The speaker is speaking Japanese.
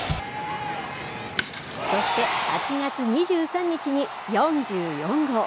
そして８月２３日に４４号。